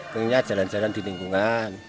pengennya jalan jalan di lingkungan